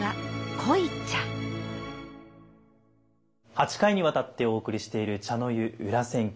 ８回にわたってお送りしている「茶の湯裏千家」。